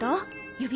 指。